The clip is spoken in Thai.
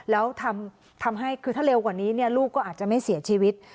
แล้วทำให้คือถ้าเร็วกว่านี้ลูกก็อาจจะไม่เสียชีวิต